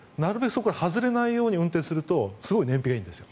そこから外れないように運転するとすごい燃費がいいんです。